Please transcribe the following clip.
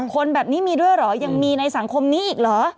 คนแบบนี้มีด้วยเหรอยังมีในสังคมนี้อีกเหรอ